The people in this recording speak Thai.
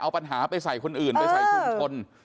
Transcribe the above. เอาปัญหาไปใส่คนอื่นไปใส่ชุมชน